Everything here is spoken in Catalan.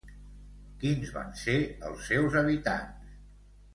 Quins van ser els seus habitants?